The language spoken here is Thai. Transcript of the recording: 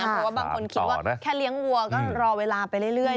เพราะว่าบางคนคิดว่าแค่เลี้ยงวัวก็รอเวลาไปเรื่อย